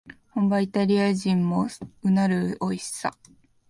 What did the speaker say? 本場イタリア人もうなるおいしさ